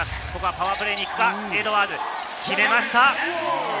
パワープレーに行くか、エドワーズが決めました。